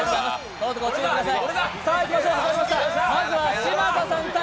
どうぞご注意ください。